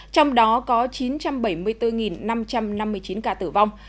trong đó có chín trăm bảy mươi bốn năm trăm năm mươi chín ca tử vong